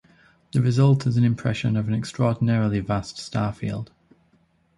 The result is an impression of an extraordinarily vast star field.